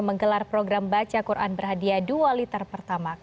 menggelar program baca quran berhadiah dua liter per tamak